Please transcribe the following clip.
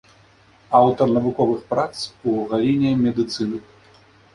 Аўтар навуковых прац у галіне медыцыны.